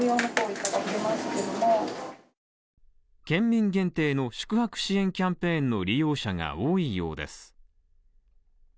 県民限定の宿泊支援キャンペーンの利用者が多いようです。